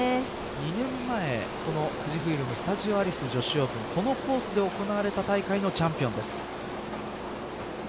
２年前の富士フイルム・スタジオアリス女子オープンこのコースで行われた大会のチャンピオンです。